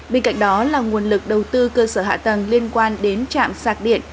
bên cạnh đó là nguồn lực đầu tư cơ sở hạ tầng liên quan đến trạm sạc điện